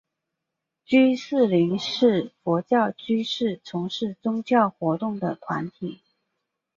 居士林是佛教居士从事宗教活动的团体。